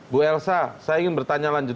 bu elsa saya ingin bertanya lanjut